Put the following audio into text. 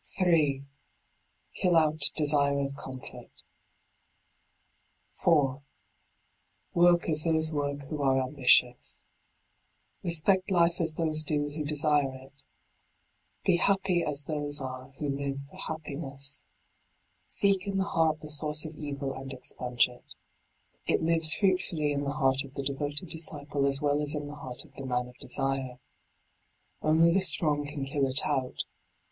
3. Kill out desire of comfort. 4. Work as those work who are ambitious. d by Google 6 LIGHT ON THE PATH Respect life as those do who desire it. Be happy as those are who live for happiness. Seek in the heart the source of evil and expunge it. It lives fruitfully in the heart of the devoted disciple as well as in the heart of the man of desire. Only the strong can kill it out.